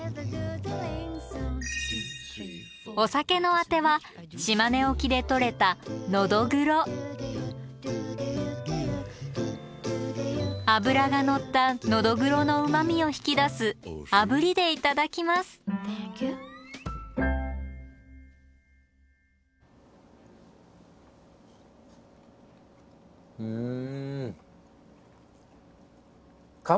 お酒のあては島根沖で取れたのどぐろ脂がのったのどぐろのうまみを引き出すあぶりで頂きますうん。うん。